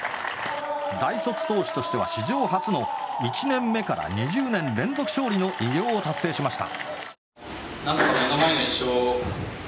大卒投手としては史上初の１年目から２０年連続勝利の偉業を達成しました。